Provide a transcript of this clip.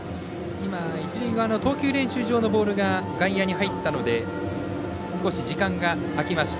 一塁側の投球練習場のボールが外野に入ったので少し時間が空きました。